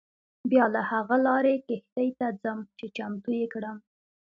بیا له هغه لارې کښتۍ ته ځم چې چمتو یې کړم.